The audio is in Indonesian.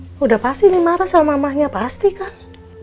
sudah pasti ini marah sama mahnya pasti kang